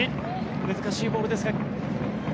難しいボールですが。